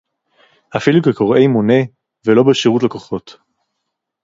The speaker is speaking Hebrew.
אפילו כקוראי מונה, ולא בשירות לקוחות